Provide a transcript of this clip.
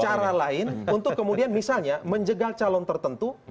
cara lain untuk kemudian misalnya menjegal calon tertentu